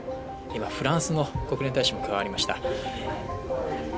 今、フランスの国連大使も加わりました。